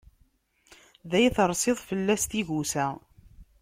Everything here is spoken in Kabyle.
Day teṛṣiḍ, fell-as tigusa.